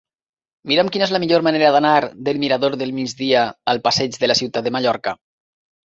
Mira'm quina és la millor manera d'anar del mirador del Migdia al passeig de la Ciutat de Mallorca.